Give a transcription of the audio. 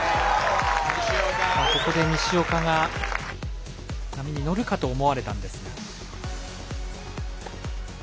ここで西岡が波に乗るかと思うんですが。